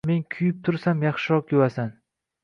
Men kuyib tursam, yaxshiroq yuvasan.